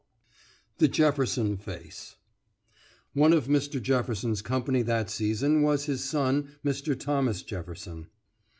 THE JEFFERSON FACE One of Mr. Jefferson's company that season was his son, Mr. Thomas Jefferson.